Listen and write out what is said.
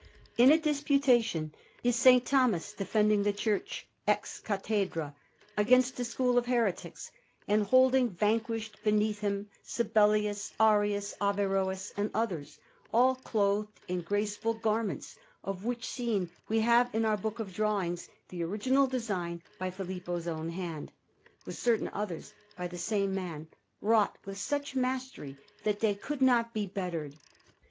In a disputation is S. Thomas defending the Church "ex cathedra" against a school of heretics, and holding vanquished beneath him Sabellius, Arius, Averroes, and others, all clothed in graceful garments; of which scene we have in our book of drawings the original design by Filippo's own hand, with certain others by the same man, wrought with such mastery that they could not be bettered.